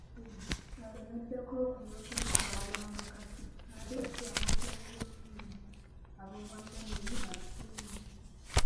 Alemeddeko ku by'okulitwala nga kati aleese abakuumi b'emmundu ab'obwannannyini balikuume.